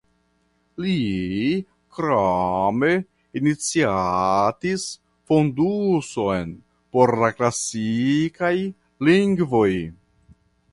Li krome iniciatis fonduson por la klasikaj lingvoj.